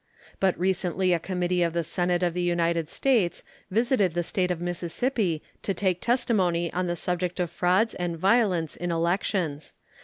But recently a committee of the Senate of the United States visited the State of Mississippi to take testimony on the subject of frauds and violence in elections.